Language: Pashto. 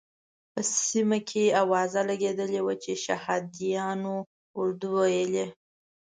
په سیمه کې اوازه لګېدلې وه چې شهادیانو اردو ویلې.